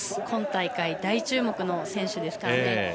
今大会大注目の選手ですからね。